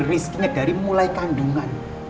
rezekinya dari mulai kandungan